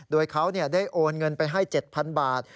โดยเขาได้โอนเงินไปให้๗๐๐บาท